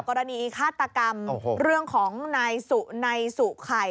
กรณีฆาตกรรมเรื่องของนายสุนัยสุไข่